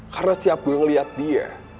karena setiap gue ngeliat dia